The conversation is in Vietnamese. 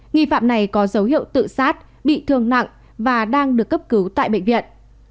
nghi phạm này có dấu hiệu tự sát bị thương nặng và đang được cấp cứu tại bệnh viện